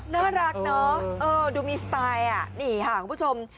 น่ารักเนอะดูมีสไตล์อ่ะนี่ค่ะคุณผู้ชม